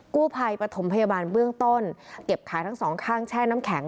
กู้ภัยปฐมพยาบาลเบื้องต้นเก็บขายทั้งสองข้างแช่น้ำแข็ง